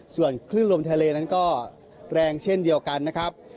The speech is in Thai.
ส่วนคลื่นลมทะเลนั้นก็แรงเช่นเดียวกันนะครับ